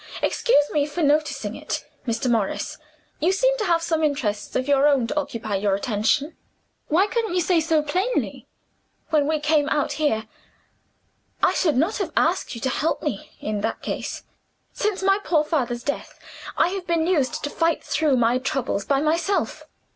Excuse me for noticing it, Mr. Morris you seem to have some interests of your own to occupy your attention. Why couldn't you say so plainly when we came out here? I should not have asked you to help me, in that case. Since my poor father's death, I have been used to fight through my troubles by myself."